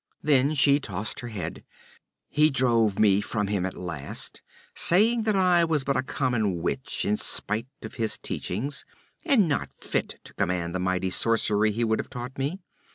Then she tossed her head. 'He drove me from him at last, saying that I was but a common witch in spite of his teachings, and not fit to command the mighty sorcery he would have taught me.